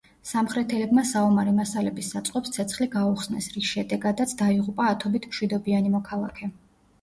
სამხრეთელებმა საომარი მასალების საწყობს ცეცხლი გაუხსნეს, რის შედეგადაც დაიღუპა ათობით მშვიდობიანი მოქალაქე.